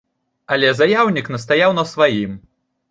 Але заяўнік настаяў на сваім.